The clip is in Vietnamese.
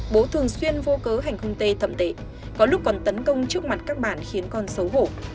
bố thường xuyên vô cớ hành hung tê thậm tệ có lúc còn tấn công trước mặt các bản khiến con xấu hổ